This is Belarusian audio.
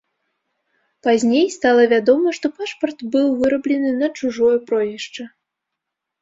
Пазней стала вядома, што пашпарт быў выраблены на чужое прозвішча.